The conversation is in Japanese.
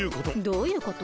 どういうこと？